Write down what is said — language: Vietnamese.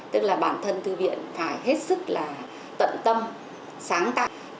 tức là bản thân thư viện phải hết sức là tận tâm sáng tạo